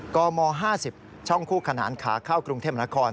กม๕๐ช่องคู่ขนานขาเข้ากรุงเทพนคร